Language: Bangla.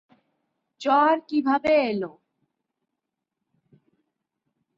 জ্বর কিভাবে এল?